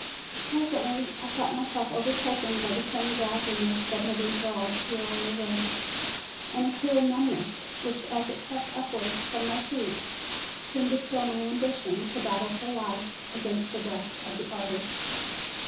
Presently I felt myself overtaken by the same drowsiness that had enthralled Peoria Red, and a queer numbness which as it crept upwards from my feet seemed to kill my ambition to battle for life against the "Death of the Arctic."